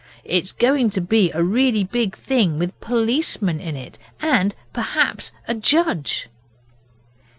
It's going to be a really big thing, with policemen in it, and perhaps a judge.